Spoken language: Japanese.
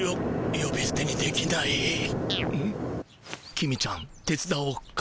公ちゃん手つだおうか？